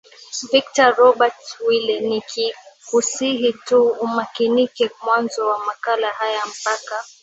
victor robert wile nikikusihi tu umakinike mwanzo wa makala haya mpaka